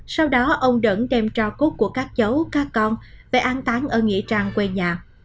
sau đó ông đần đem trao cốt của các cháu các con về an tán ở nghỉ trang quê nhà